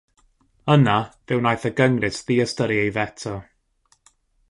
Yna fe wnaeth y Gyngres ddiystyru ei feto.